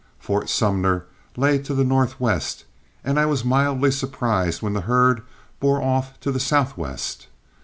Fort Sumner lay to the northwest, and I was mildly surprised when the herd bore off to the southwest.